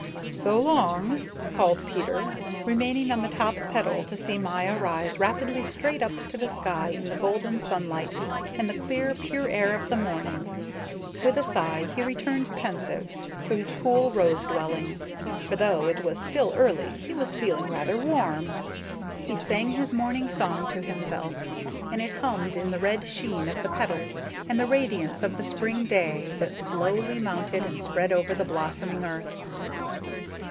"So long," called Peter, remaining on the top petal to see Maya rise rapidly straight up to the sky in the golden sunlight and the clear, pure air of the morning. With a sigh he returned, pensive, to his cool rose dwelling, for though it was still early he was feeling rather warm. He sang his morning song to himself, and it hummed in the red sheen of the petals and the radiance of the spring day that slowly mounted and spread over the blossoming earth.